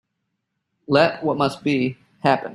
Let what must be, happen.